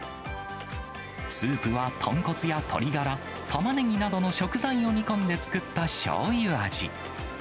スープは豚骨や鶏ガラ、タマネギなどの食材を煮込んで作ったしょうゆ味。